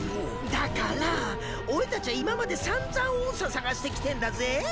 だからあ俺たちゃ今までさんざん音叉探してきてんだぜぇ？